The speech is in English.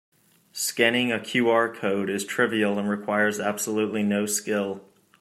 Scanning a QR code is trivial and requires absolutely no skill.